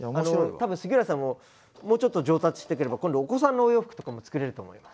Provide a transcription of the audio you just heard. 多分杉浦さんももうちょっと上達してくれば今度お子さんのお洋服とかも作れると思います。